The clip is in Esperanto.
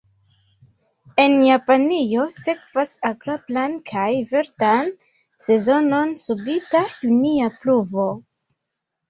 En Japanio sekvas agrablan kaj verdan sezonon subita junia pluvo.